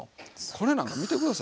これなんか見て下さい。